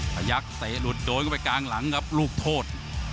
พยักษะหลุดโดนเข้าไปกลางหลังครับลูกโทษ